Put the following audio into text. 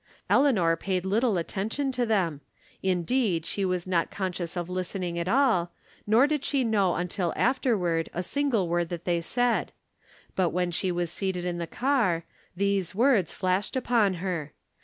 Eleanor paid little attention to them, indeed, she was not con scious of listening at all, nor did she know until afterward a single word they said ; but, when she was seated in the car, these words flashed upon her.